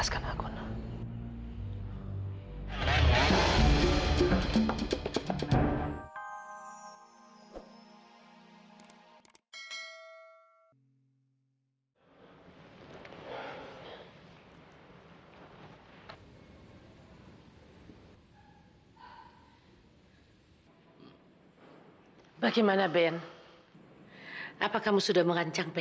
sampai jumpa di video selanjutnya